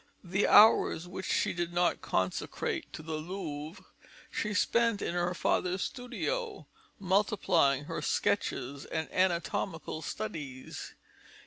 The hours which she did not consecrate to the Louvre, she spent in her father's studio, multiplying her sketches and anatomical studies.